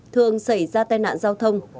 thường xảy ra tai nặng giao thông